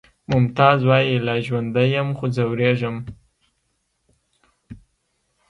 ممتاز وایی لا ژوندی یم خو ځورېږم